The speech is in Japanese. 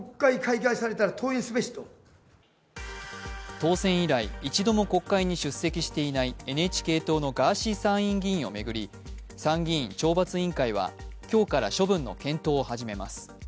当選以来、一度も国会に出席していないＮＨＫ党のガーシー参院議員を巡り参議院懲罰委員会は今日から処分の検討を始めます。